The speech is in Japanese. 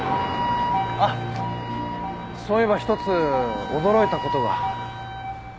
あっそういえば１つ驚いたことが。